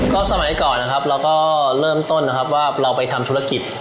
ก็สมัยก่อนเราก็เริ่มต้นว่าเราไปทำธุรกิจ